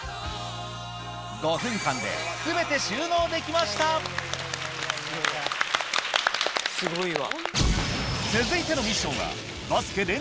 ５分間ですごいわ。